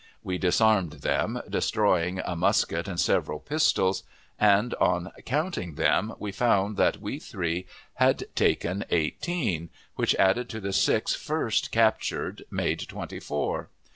We disarmed them, destroying a musket and several pistols, and, on counting them, we found that we three had taken eighteen, which, added to the six first captured, made twenty four.